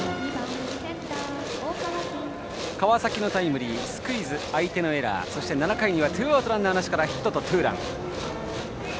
川崎のタイムリースクイズ、相手のエラーそして７回にはツーアウトランナーなしからヒットとツーラン。